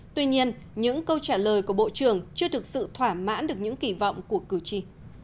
tuy nhiên những câu trả lời của bộ trưởng chưa thực sự thỏa mãn được những kỳ vọng của cử tri